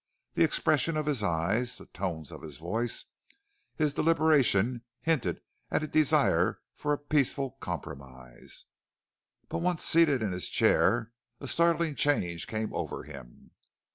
The expression of his eyes, the tones of his voice, his deliberation hinted at a desire for a peaceful compromise. But once seated in his chair a startling change came over him.